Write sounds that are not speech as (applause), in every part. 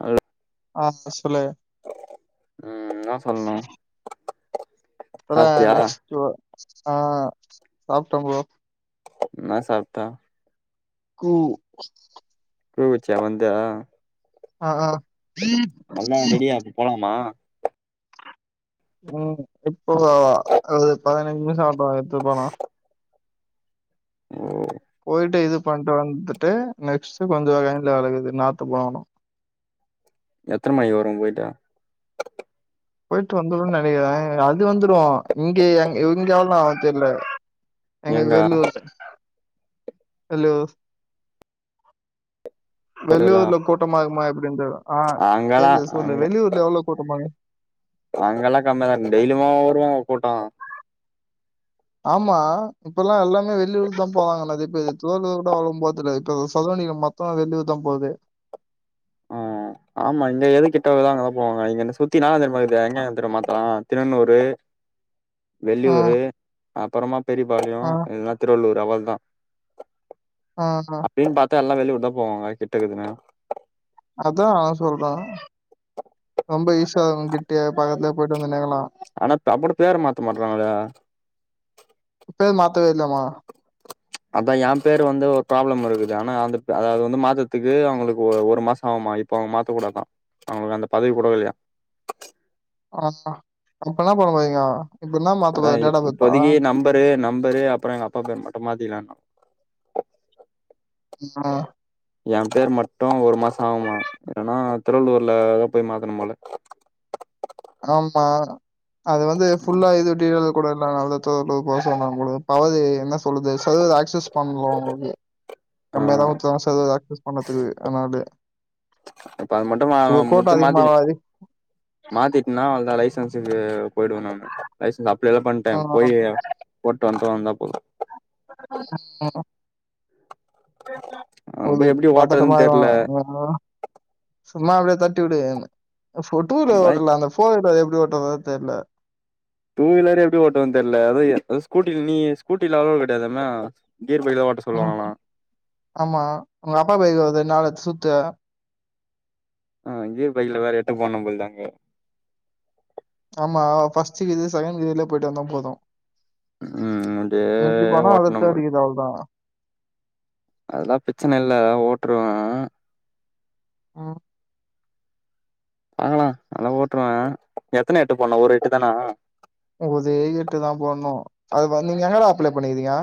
Hello அ இப்ப சொல்லு ம் இன்னா சொல்னோ இப்பதா (unintelligible) ப்ரோ அ சாப்ட்ட ப்ரோ இன்னா சாப்ட்ட கூவ் கூவ் குச்சியா வந்து அ அ எல்லா ரெடியா அப்ப போலாமா ம் இப்போ அ ஒரு பதினஞ்சி நிமிஷோ ஆவ்டோ எத்து போலா ஓ போய்ட்டு இது பண்ட்டு வந்துட்டு நெக்ஸ்ட்டு கொஞ்சோ வயல்ல வேலகுது நாத்து போகணு எத்தன மணிக்கி வருவோ போய்ட்டு போய்ட்டு வந்துருவுன் நெனைக்கிறே அது வந்துடு இங்க எ இங்க எவ்ள்நே ஆவுன் தெர்ல அங்க எங்க வெள்ளியூர்ல ஹலோ வெள்ளியூர்ல கூட்டமா இர்க்குமா எப்படின் கேக்குற அ அங்கல்லா தெரிது சொல்லு அங்க வெள்ளியூர்ல எவ்ளோ கூட்டமாக்கு அங்கெல்லா கம்மியாதா இர்க்கு டெய்ல்யுமா வருவாங்க கூட்டோ ஆமா இப்பல்லா எல்லாமே வெள்ளியூர்க் தா போறாங்க நெறய பேரு திருவள்ளுர் கூட அவ்ளும் போற்துல இப்ப இந்த சதுரகிரி மல தோ வெள்ளியூர்தா போதே ம் ஆமா இங்க எது கிட்டகிதோ அங்கதா போவாங்க இங்க என்னன் சுத்தி இன்னான தெரிமா மாகிது ஆ, எங்கெங்க தெரிமா திண்ணனூரு ஆ, வெள்ளியூரு அப்புறமா பெரியபாளையோ ஆ, இல்னா திருவள்ளூர் அவள்தா ஆமா அப்டின் பாத்தா எல்லா வெளியுர்தா போவாங்க கிட்டக்குதுனு அதா நா சொல்ற ரொம்ப ஈஸியாதங்க கிட்டிய பக்கத்துல போயிட்டு வந்துனு எங்கனா ஆனா அப்புடி பேரு மாத்த மாட்றாங்களே பேர் மாத்தவே இல்லம்மா அதா எ பேரு வந்து ஒரு ப்ராப்ளம் இருக்குது ஆனா அது அதாவது வந்து மாதத்துக்கு அவுங்களுக்கு ஒரு மாச ஆவுமா இப்ப அவுங்க மாத்தக்கூடா தா அவுங்களுக்கு அந்த பதவி கூட இல்லையா ஆ அப்ப என்ன பண்ண போறீங்க இப்ப இன்ன மாத்துரது டேட் ஆப் பெர்தா பேரு நம்பரு அப்புற எங்க அப்பா பேரு மட்டு மாத்திகிலன்னா ஆஹ எ பேர் மட்டு ஒரு மாச ஆவுமா என்னனா திருவள்ளூர்ல போய் மாத்தனு போல ஆமா அது வந்து ஃபுல்லா இதுடிது கூடல்ல நல்லது து போ சொன்னங்க கூட பவதி என்ன சொல்லுது சதவீத ஆக்சஸ் பண்லா உங்களுக்கு ஆ கம்மியாதவுத சதவித ஆக்சஸ் பண்ணதுக்கு ஆனா‌ அது அப்ப அது மட்டுமா முத்திய மாத்திரு அதிகமாக மாத்திட்னா அவ்ளதா லைசன்ஸுக்கு போயிடுவ நானு லைசன்ஸ் அப்ளேலா பண்ட்டே போய் போட்டு வந்தா வந்தா போது ஹ அங்க ஒது போய் எப்டி பத்தட்டமா ஓட்டுறதுன்னு தெர்ல (unintelligible) சும்மா அப்டியே தட்டிவுடு டூவிலரு பை ஓட்டிலா அந்த ஃபோர் எப்டி ஓட்டறத தெர்ல டூ வீலரே எப்டி ஓட்டுவன் தெர்ல அது ஸ்கூட்டில நீ ஸ்கூட்டில அலோவ் கிடையாதுல கீர் பைக்ல ஓட்டு ம் ஆமா உங்க அப்பா பைக்கு ஒர் ரெண் நாள் வச்சு சுத்து ஆ இதே பைக்ல வேற எட்டு போட்னம் போல்து அங்க ஆமா ஃபஸ்டு கிய்து செகண்ட் கிய்ர்லே போயிட்டு வந்த போது ம் அப்டியே ப்பானா அத ஓட்னு போல் தேடிக்குது அவள்தா அதெல்லா பிரச்சன இல்ல ஓட்ருவ ம் பாக்கலா அல ஓட்ருவ எத்தன எட்டு போனு ஒரு எட்டு தானா ஒதே எட்டுதா போட்ணு அது வந்தீங்கனா எங்கட அப்ளே பண்ணிக்கிரீங்க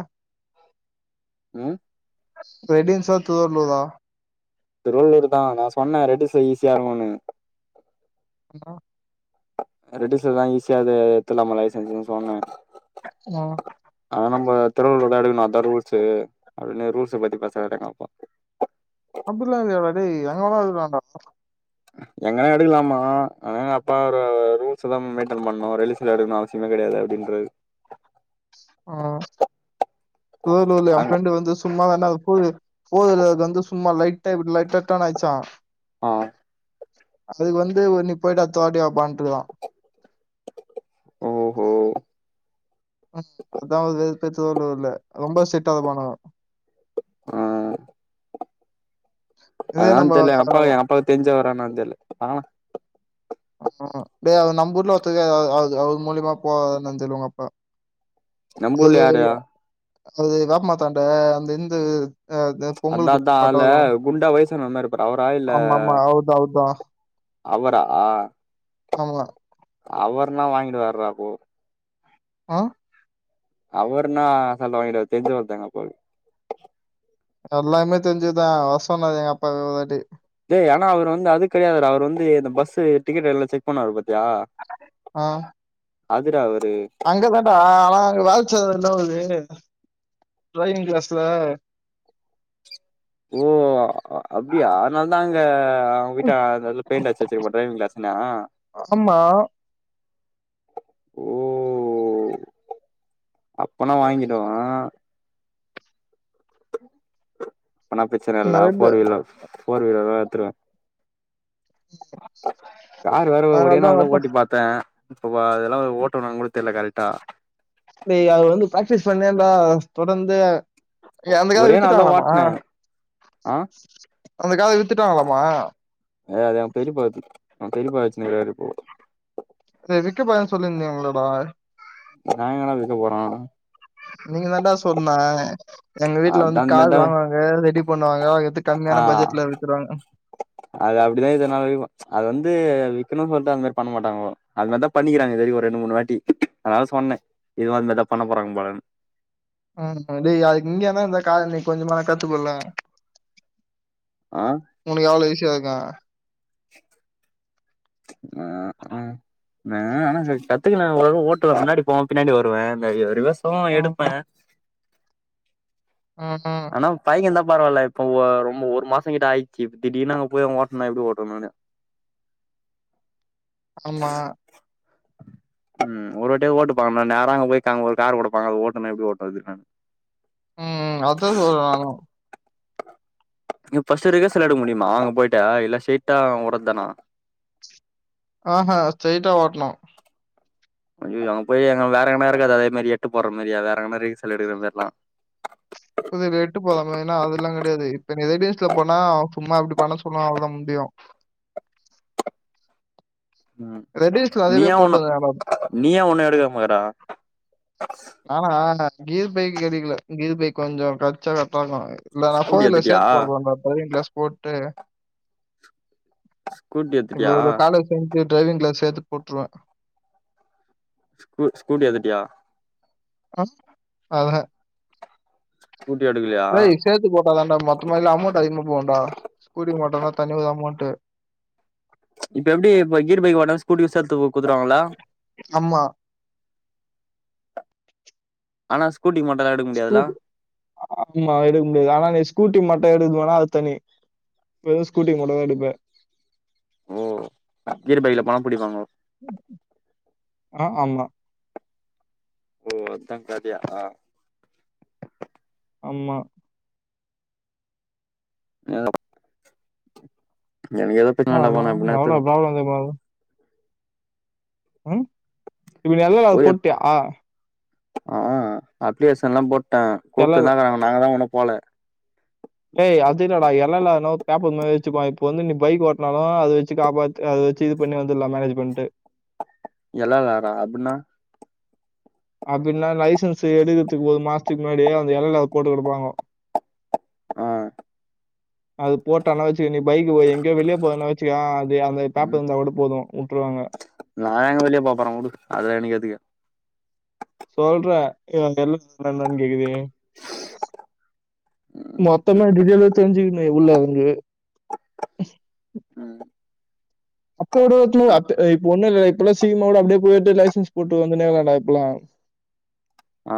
ம் ரெடின்ஸ்ஸா திருவள்ளூரா திருவள்ளூர்தா நா சொன்னே ரெட்டில்ஸ்ல ஈஸியா இருகுனு அப்ற ரெட்டிஸ்ல தா ஈஸியாது எத்துலாப்பா லைசன்ஸுனு சொன்னே ஹலோ ஆமா திருவள்ளுர் தா எடுக்கணோ அதா ரூல்ஸு அப்டினு ரூல்ஸ பத்தி பேசராறு எங்க அப்பா அப்பில்லா இல்லயேடா டேய் எங்க வேனா எடுக்கலாடா எங்கனா எடுக்கலாமா ஆனா அப்பா ஒரு ரூல்ஸ் தா மெயின்டன் பண்ணு ரிலிஷன்ல எடுக்கணோ சிம கெடையாது அப்டின்றாரு ஆ திருவள்ளுர்ல்ல எ அங்க ப்ரெண்டு வந்து சும்மா தான்டா அது போது போதலந்து அது வந்து சும்மா லைட்டா இப்டி லைட்டா டேன் ஆய்ச்சா ஆ அதுக்கு வந்து ஒ நீ போயிட்டு அட்த்தவாட்டி வாப்பான்றுகிறா ம் ம் ம் அதாவது (unintelligible) ரொம்ப சிட்டா இருப்பானா ஆ இதே அதா நம்ம தெர்ல எங்க அப்பாக் ஏ அப்பாக்கு தெரிஞ்சவரா என்னான் தெர்ல பாக்லா ஆமா டே அது நம்மூர்ல ஒருத்தர் இருக்காரு அது அது அவுரு மூலிமா போவாரா என்னன் தெர்ல ஒங்க அப்பா நம்ம ஊர்ல அது யாரு இல்ல அது வேப்மரத்தாண்ட அந்த இந்து அதா தா அதுல குண்டா வைசான மாரி இருப்பாரே அவரா இல்ல ஆமா ஆமா அவர் தான் அவர் தான் அவரா ஆமா அவர்னா வாங்கிடுவார்ரா அப்போ ஆ அவர்னா அசால்ட்டா வாங்கிடுவாரு தெர்ஞ்சவர்தா எங்க அப்பாக்கு எல்லாமே தெரிஞ்சவர்தா வர சொன்னாரு எங்க அப்பாவ ஒருவாட்டி டே ஆனா அவுரு வந்து அதுக் கெடையாதுடா அவுரு வந்து இந்த பஸு டிக்கெட்டு எல்லா செக் பண்ணுவாரு பாத்தியா ஆ அதுடா அவுரு அங்க தான்டா ஆனா அங்க வேல்ச் (unintelligible) டிரைவிங் கிளாஸ்ல ஓ அப்டியா அ அப்டியா அதனால தா அங்க ஒங்கிட்ட அது அதுல பெய்ண்ட் அடிச்சி வச்சிருக்குமா ட்ரைவிங் கிளாஸுனா ஆமா ஓ அப்பனா வாங்கிடுவ ஆனா பிரச்சன இல்ல நிறைய ஃபோர் பேர் வீலர் போர் வீலர் தா எத்ருவே கார் வேற ஒரே அதனாலதான் அவங்க நாள்ல அப்பா ஓட்டி பாத் தே இப்ப அதெல்லா ஓட்டுவானா கூட தெர்ல கரெட்டா நீ அது வந்து பிராக்டிஸ் பண்ணேடா தொடர்ந்து ஏ அந்த காரு ஒரே நாள் தா வித்துட்டாங்கலாமா ஓட்ன ஆ அந்த காரு வித்துட்டாங்கலாமா அதா அதா பெரிப்பாது எங் பெரிப்பா வெச்சின் இருக்ராரு இப்போ அத விக்க போறன் சொல்லி இருந்திங்களேடா நா எங்கடா விக்க போறோ நீங்க தாண்டா சொன்ன எங்க வீட்டுல வந்து அதா அந்த காரு மாரிதா வாங்குனாங்க ரெடி பண்ணுவாங்க எடுத்து ஆ கம்மியான பட்ஜெட்ல வித்துருவாங்க அது அப்டிதா இதுனால் வரைக்கு அது வந்து விக்ணும் சொல்லிட்டு அது மாரி பண்ண மாட்டாங்க அது தாண்டா பண்ணிக்கிறாங்க இதுவரையு ஒரு ரெண்டு மூணு வாட்டி அதா சொன்னே இதுவு அதாடா பண்ண போறாங்கனு அ டேய் அதுக்கு இங்கயாதா இந்த கார நீ கொஞ்சமால நீ கத்துக்குள்ளே ஆ ஒனக்கு எவ்ள ஈசியா இருக்கு ஆ அ நா ஆனா கத்துக்குலா ஓரளவு ஓட்டுவே முன்னாடி போவே பின்னாடி வருவே இந்த இரு ரிவேஸு ம் எடுப்பே ம் ம் ம் ஆ கை எல்லா பரவால்ல இப்ப ஒ ஒரு மாச கிட்ட ஆயிட்ச்சி இப்ப திடீர்னு அங்க போய் ஓட்னா எப்டி ஓட்டுவே நானு ஆமா ம் ஒருவாட்டி ஓட்டுப்பாங்க நா நேர அங்க போய் ஒரு கார் குடுப்பாங்க அத ஓட்டுனா எப்டி ஓட்டுவே (unintelligible) ம் அதா சொல்றே நானு நீ ஃபர்ஸ்ட்டு ரிவேஸ்லா எடுக்க முடிமா அங்க பொயிட்டா இல்ல சேர்ட்டா ஓட்றது தானா ஆஅ ஸ்ட்டெய்டா ஓட்ணு அய்யய்யோ அங்க போயி எங்க வேறெங்கனா இருக்காதா அதே மாரி எட்டு போட்ற மாரி எதா வேற மாரி செல எடுக்கற் தட்னா மொதல இவ எட்டு போட்றாங்ளா ஏனா அதுல்லா கெடையாது இப்ப நெறை பேஸ்ல போனா சும்மா அப்டி பண்ண சொன்னா அவ்ள் தா முடியு ம் ரெடிஸ்ல அதுவே நீயா ஒன்னு போட்டுருந்தாங்கடா நீயா ஒன்னு எடுக்க மாக்கற நானா ஆ ஆ கீர்பைக் எடுக்கல கீர்பைக் கொஞ்சோ பிரச்சன எத்தன்னா இந்தா நா ஸ்கூட்டி போயர்ல எத்துட்டியா சேத் போட போற நா ட்ரைவிங் கிளாஸ் போட்டு ஸ்கூட்டி இப்ப எத்துட்டியா ஒரு காலேஜ் (inaudible) ட்டு ட்ரைவிங் கிளாஸ் சேத்து போட்ருவே கூ ஸ்கூட்டி எடுத்துட்டியா ஆ அவக ஸ்கூட்டி எடுக்கலயா சேத்து போட்டாதான்டா மொத்தமா இல்ல அமௌண்ட்டு அதிகமா போவுன்டா ஸ்கூட்டிக் மட்டுனா தனி ஒரு அமௌண்ட் இப்ப எப்டி இப்ப கீர் பைக் ஓட்னா ஸ்கூட்டிக் சேத்து கு குத்துருவாங்கல்ல ஆமா ஆனா ஸ்கூட்டி மட்டுல்லா எடுக்க முடியாதுல்ல ஸ்கூட்டி ஆமா எடுக்க முடியாது ஆனா அங்க ஸ்கூட்டிக் மட்டு எடுதோனா அது தனி வெறு ஸ்கூட்டிக் மட்டு தா எடுப்ப ஓ கீரு பைக்ல போனா புடிப்பாங்கோ ஆ ஆமா ஓ அதா கதையா ஆமா எங்க எனக் எது பிரச்சன இல்லாம நா எப்பிட்னா எத்துருனு போங்க பாக்லா ம் இப்ப நீ எல் எல் ஆர் போய் போட்டியா ஆ அப்ளிகேஷன்லா போட்டே எல் எல் கூப்ட்டுன்தா இக்கறாங்க நாங்க தா உன்னு போல டேய் அதுல்லடா எல் எல் ஆர் னா ஒரு பேப்பர் மாரி வெச்சுக்கோ இப்ப வந்து நீ பைக் ஓட்னாலு அது வெச்சு காப்பாத் தி அத வச்சு இது பண்ணி வந்துர்லா மேனேஜு பண்ட்டு எல் எல் ஆரா அப்பிட்னா அப்பிட்னா லைசன்ஸ் எடுக்கற்த்துக்கு ஒரு மாஸ்த்துக் முன்னாடி அந்த எல் எல் ஆர் போட்டு குடுப்பாங்கோ ஆ அது போட்டன்னா வச்சுக்க நீ பைக் ஓ எங்யோ வெளிய போறன்னா வச்சுக்கே அது அந்த ம் பேப்பர்ருந்தா கூட போது உட்ருவாங்க நா எங்க வெளிய போ போற உடு அதுலா எனக் எதுக்கு சொல்ற இப்ப எல் எல் ஆர் னா என்னன் கேக்கறயே மொத்தமா டீடெய்லா தெரிஞ்சுக்கணு எவளோ அங்கு ம் அப்போடோ எத்துனவாட்டு ஏ இப்ப ஒன்னுல்ல இப்பல்லா சீக்ரமா கூட அப்டே போய் எட்டு லைசன்ஸ் போட்டு வந்துன்னே இருக்கான்டா இப்பல்லா ஆ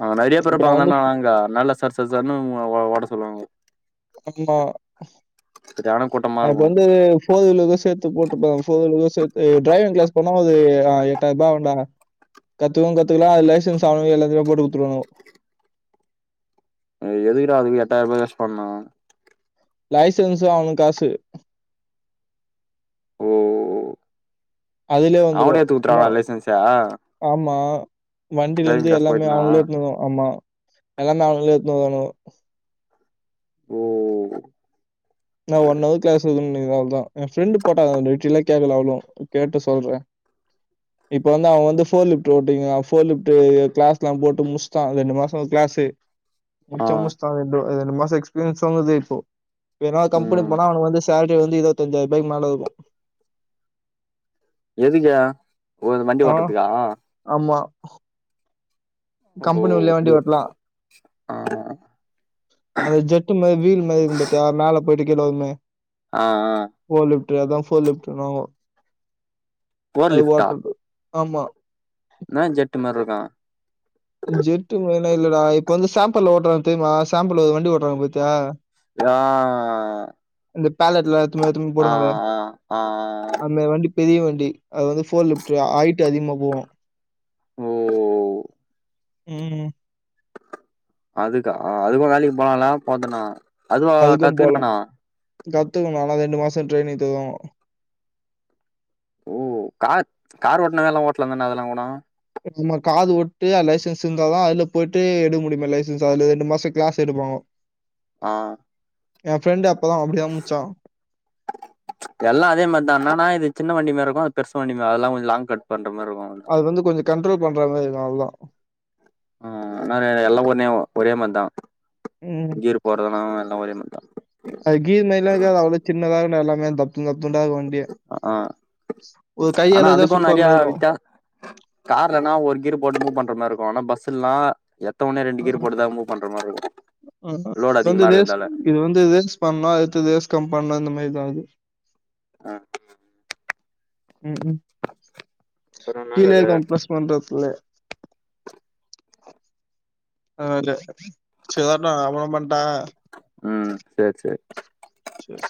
அங்க நெறய பேரு இப்ப நான் வந்து அப்பறந்தான்டா நாங்க நல்லா சர் சர் சர்ன்னு ஓ ஓ ஓட்ட சொல்லுவாங்க ஆமா சரியான கூட்டமா அது இருக்கு வந்து ஃபோ வீலுக்கு சேத்து போட்டுப்பாங் ஃபோர் வீலுக்கு சேத்து ட்ரைவிங் கிளாஸ் போனா அது ஆ எட்டாய்ர்பா ஆவுன்டா கத்துக்கவு கத்துக்கலா அது லைசன்ஸ் அவுங்க எல்லாத்தியுமே போட்டு குத்துருவானுங்க அது எதுக்குடா அதுக்கு எட்டாய்ர்பா வேஸ்ட் பண்ணு லைசன்ஸுக்கே ஆவு காசு ஓ ஓ அதுலே வந்துரு இன்ன லைசன்ஸ ஆமா வண்டிலிந்து டிரைவிங் கிளாஸ் எல்லாமே போயிட்டனா அவுங்ளே எத்துன் வருவா ஆமா எல்லாமே அவுனுங்ளே எத்துன் வருவானுங்கோ ஓ நா ஒன் அவரு கிளாஸ் இருக்கு நெனைக்கிற அவ்ளோ தா என் ஃப்ரெண்டு போட்டாங்க டீடெயிலா கேக்ல அவளு கேட்டு சொல்றே இப்ப வந்து அவன் வந்து போர்லிப்ட் ஓட்டிங்கிறா அவன் போர்லிப்டு கிளாஸ் எல்லாம் போட்டு முஸ்டா ரெண்டு மாசோ கிளாஸு ஆ முஸ்டா முஸ்டா ரெண்டு ரெண்டு மாசோ எக்ஸ்பீரியன்ஸ் அவனுக்கு இப்போ எதுனா கம்பனி ம் போனா அவக்கு வந்து சேல்ரி வந்து இருபத்தஞ்சாய ரூபாகு மேல இருக்கும் எதுக்கே ஒரு வண்டி ஆ ஓட்டுறதுக்கா ஆமா ஓ ஓ கம்பெனி உள்ளயே வண்டி ஓட்டலா ஆ அந்த ஜெட்டு மாரி வீல் மாரி இருக்கும் பாத்தியா மேல போயிட்டு கீழ வருமே ஆ ஆ போர்லிப்டு அதான் போர் லிப்டுனுவாங்க போர் அது லிஃப்டா ஓட்றது ஆமா என்ன ஜெட்டு மாரிருக்கு ஜெட்டு மாரிலா இல்லடா இப்ப வந்து சாம்பிள் ஓட்றாங்க தெரியுமா சாம்பிள் வண்டி ஓட்றாங்க பத்தியா ஆ இந்த பேலட்லா எத்னுபோய் எத்னுபோய் ஆ போடுவாங்களே ஆ ஆ அந்த வண்டி பெரிய வண்டி அது வந்து ஃபோர் லிப்டு ஹைட் அதிகமா போவு ஓ ம் அதுக்கா அதுக்கும் வேலைக்கு போலாம்ல போத்தனா அதுக்கும் போலா கத்துக்கணு ஆனா ரெண்டு மாசோ ட்ரெய்னிங் தருவாங்க ஓ கார் கார் ஓட்னா அதெல்லா ஓட்லாம் தான அதெல்லா போனா நம்ம காரு ஓட்டு அ லைசன்ஸ் இந்தாதா அதுல போயிட்டு எடுக்க முடியுமாம் லைசன்ஸ் அதுல ரெண்டு மாசோ கிளாஸ் எடுப்பாங்க ஆ என் ஃப்ரெண்டு அப்பதா அப்டிதா முடிச்சா எல்லாம் அதேமாரிதானா என்னனா இது சின்ன வண்டி மாரிருக்கு அது பெருசு வண்டி அதெல்ல கொஞ்சோ லாங் கட் பண்ற மாரிருக்கு அது வந்து கொஞ்சோ கண்ட்ரோல் பண்ற மாரி இருக்கு அவ்ளதா ம் நானே எல்லாம் ஒனே ஒரே மாரிதா ம் கீர் போறதலாம் எல்லாம் ஒரே மாரி தா அது கீர் மாரிலா இருக்காது அவ்ளவு சின்னதா இருக்கும்டா எல்லாமே துண்ட துண்டாக்கு வண்டியே ஆ ஒரு ஆனா கையளவுதா அதுக்கு நெறையா சுத்தரமாரிருக்கு வித்தியா கார்லனா ஒரு கீர் போட்டு மூவ் பண்ற மாரிருக்கு ஆனா பஸ்ல்லாம் எத்த உனே ரெண்டு ம், கீர் போட்டுதா மூவ் பண்ற மாரி தாருக்கு ம். லோடு இது வந்து அதிகமா ரேஸ் இருக்கதால இது வந்து ரேஸ் பண்ணா அது ரேஸ் கம்மி பண்ணு இந்த மாரிதா அகுது ஆ ம் ம் கீழே கம்ப்ரஸ் பண்றது அ அதுலே செரி வரேண்டா அப்றம் பண்றே ம் செரி செரி செரி